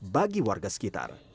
bagi warga sekitar